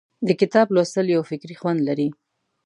د کتاب لوستل یو فکري خوند لري.